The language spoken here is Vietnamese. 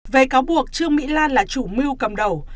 về cáo buộc trương mỹ lan là chủ mưu cầm đầu